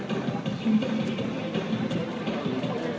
เตะไขมันตายก่อนนะ